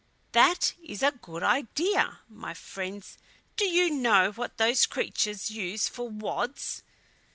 "That is a good idea! My friends, do you know what those creatures use for wads?"